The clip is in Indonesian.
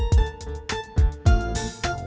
ya udah aku tunggu